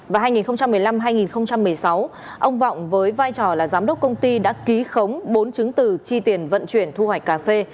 và hai nghìn một mươi năm hai nghìn một mươi sáu ông vọng với vai trò là giám đốc công ty đã ký khống bốn chứng từ chi tiền vận chuyển thu hoạch cà phê